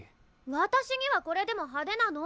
私にはこれでも派手なの！